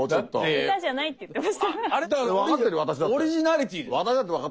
オリジナリティーですよ。